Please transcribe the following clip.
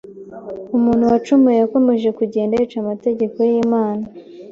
umuntu wacumuye yakomeje kugenda yica amategeko y’Imana